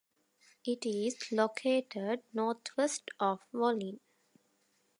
It is located northwest of Volin.